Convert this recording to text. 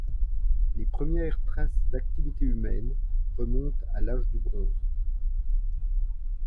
Les premières traces d'activités humaine remontent à l'Âge du bronze.